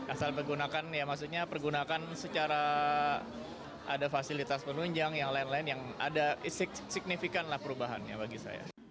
asal pergunakan ya maksudnya pergunakan secara ada fasilitas penunjang yang lain lain yang ada signifikan lah perubahannya bagi saya